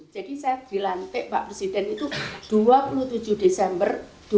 jadi saya dilantik pak presiden itu dua puluh tujuh desember dua ribu dua puluh